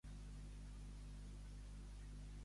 Qui era el pare d'Alcàtous?